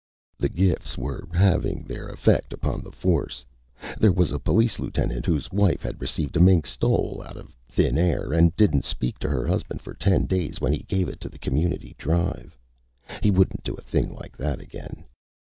The gifts were having their effect upon the Force. There was a police lieutenant whose wife had received a mink stole out of thin air and didn't speak to her husband for ten days when he gave it to the Community Drive. He wouldn't do a thing like that again!